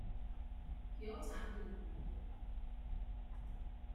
He also acted in London.